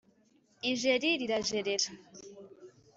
ijeri rirajerera